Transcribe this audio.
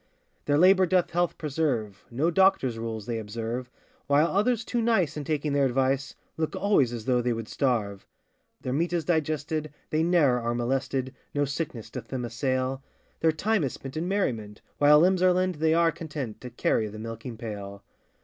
Their labour doth health preserve, No doctor's rules they observe, While others too nice in taking their advice, Look always as though they would starve. Their meat is digested, they ne'er are molested, No sickness doth them assail; Their time is spent in merriment, While limbs are lent, they are content, To carry the milking pail.